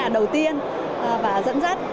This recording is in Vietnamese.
đầu tiên và dẫn dắt